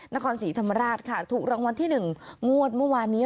นครศรีธรรมราชค่ะถูกรางวัลที่หนึ่งงวดมาวานนี้